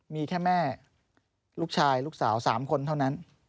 มีแค่แม่ลูกชายลูกสาว๓คนเท่านั้น